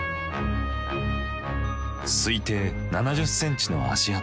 推定７０ｃｍの足跡。